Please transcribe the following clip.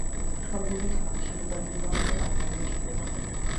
সর্ববিধ আশীর্বাদ নিরন্তর আপনাকে ঘিরে থাকুক।